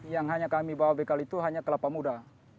yang hanya kami bawa bekal itu hanya kelapa muda